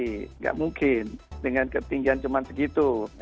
tidak mungkin dengan ketinggian cuma segitu